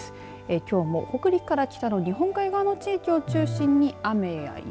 きょうも北陸から北の日本海側の地域を中心に雨や雪。